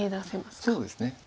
そうですね。